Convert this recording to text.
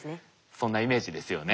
そんなイメージですよね。